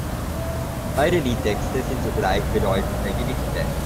Beide Liedtexte sind zugleich bedeutende Gedichte.